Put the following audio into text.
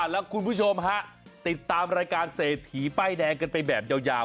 แล้วคุณผู้ชมฮะติดตามรายการเศรษฐีป้ายแดงกันไปแบบยาว